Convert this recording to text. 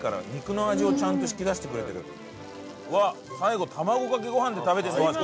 うわっ最後卵かけご飯で食べてる大橋君。